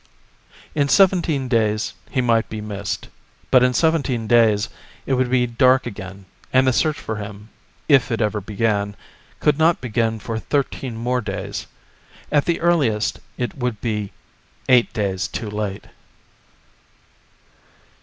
In seventeen days he might be missed, but in seventeen days it would be dark again, and the search for him, if it ever began, could not begin for thirteen more days. At the earliest it would be eight days too late.